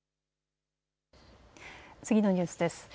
次のニュースです。